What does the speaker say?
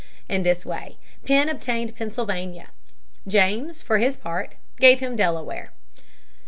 In this way Penn obtained Pennsylvania. James, for his part, gave him Delaware.